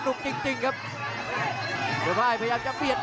ต้องบอกว่าคนที่จะโชคกับคุณพลน้อยสภาพร่างกายมาต้องเกินร้อยครับ